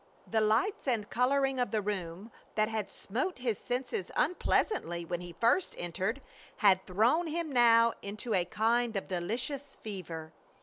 The lights and coloring of the room that had smote his senses unpleasantly when he first entered had thrown him now into a kind of delicious fever.